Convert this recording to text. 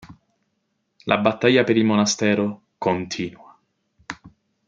La battaglia per il monastero continua.